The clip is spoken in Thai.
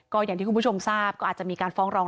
ก็อย่างที่คุณผู้ชมทราบก็อาจจะมีการฟ้องร้อง